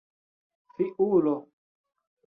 fiulo